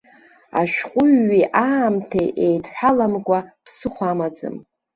Ашәҟәыҩҩи аамҭеи еидҳәаламкәа ԥсыхәа амаӡам.